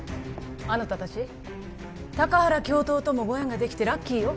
あなた達高原教頭ともご縁ができてラッキーよ